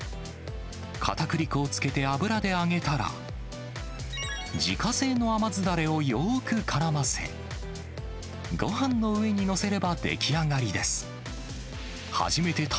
かたくり粉をつけて、油で揚げたら、自家製の甘酢だれをよーくからませ、ごはんの上に載せれば出来上がりです。